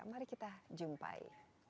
mari kita jumpai